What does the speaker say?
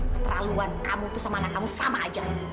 keterlaluan kamu itu sama anak kamu sama aja